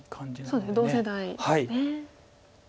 そうですね同世代ですね。